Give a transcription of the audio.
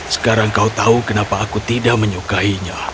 sekarang kau tahu kenapa aku tidak menyukainya